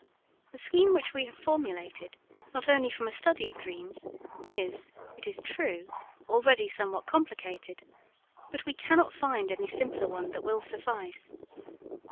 The scheme which we have formulated not only from a study of dreams is, it is true, already somewhat complicated, but we cannot find any simpler one that will suffice.